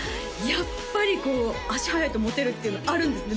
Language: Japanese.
やっぱりこう足速いとモテるっていうのあるんですね